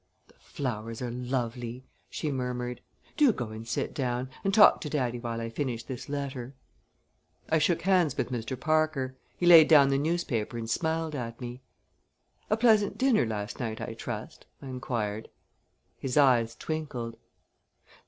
"The flowers are lovely!" she murmured. "Do go and sit down and talk to daddy while I finish this letter." I shook hands with Mr. Parker. He laid down the newspaper and smiled at me. "A pleasant dinner last night, I trust?" I inquired. His eyes twinkled.